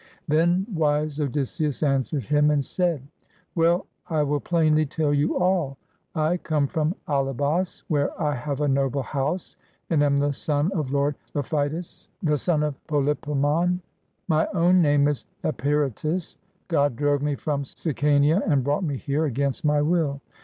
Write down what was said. Then wise Odysseus answered him and said: "Well, I will plainly tell you all. I come from Alybas, where I have a noble house, and am the son of lord Apheidas, the son of Polypemon. My own name is Eperitus. God drove me from Sicania and brought me here, against my will.